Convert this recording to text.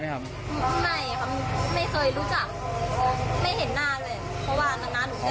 เพราะว่าน้าหนูไม่ได้